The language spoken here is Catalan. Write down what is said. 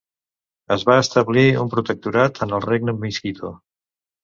Es va establir un protectorat en el regne miskito.